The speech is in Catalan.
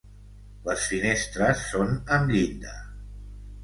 Les finestres són amb llinda.